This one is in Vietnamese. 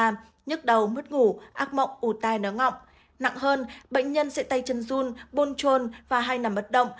nhức đầu mất ngủ ác mộng ủ tai nớ ngọng nặng hơn bệnh nhân sẽ tay chân run buồn trôn và hay nằm bật động